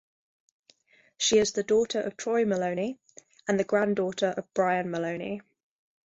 She is the daughter of Troy Moloney and the granddaughter of Brian Moloney.